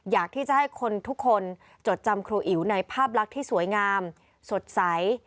อยากที่จะให้คนทุกคนจดจำครูอิ๋วในภาพลักษณ์ที่สวยงามสดใส